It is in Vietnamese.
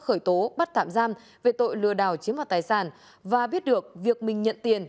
khởi tố bắt thạm giam về tội lừa đào chiếm mọt tài sản và biết được việc mình nhận tiền